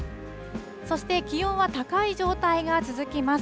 そして気温は高い状態が続きます。